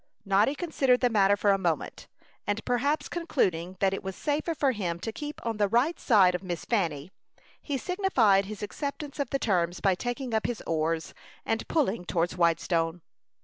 Noddy considered the matter for a moment, and, perhaps concluding that it was safer for him to keep on the right side of Miss Fanny, he signified his acceptance of the terms by taking up his oars, and pulling towards Whitestone.